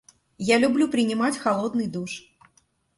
Я люблю принимать холодный душ.